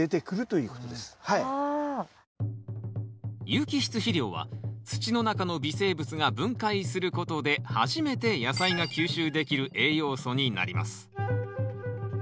有機質肥料は土の中の微生物が分解することで初めて野菜が吸収できる栄養素になります。